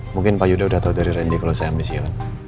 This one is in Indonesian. mungkin pak yuda udah tau dari randy kalau saya ambisiyon